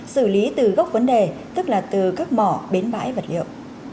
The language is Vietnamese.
xử lý từ gốc vấn đề tức là từ các mỏ bến bãi vật liệu